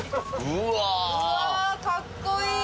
うわっかっこいいい！